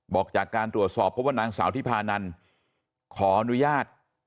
บอกจากการตรวจสอบเพราะว่านางสาวที่พานันขออนุญาต